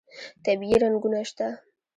طبیعي رنګونه شته.